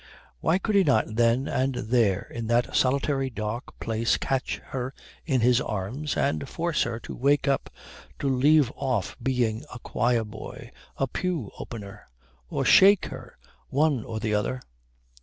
Why could he not then and there in that solitary dark place catch her in his arms and force her to wake up, to leave off being a choir boy, a pew opener? Or shake her. One or the other.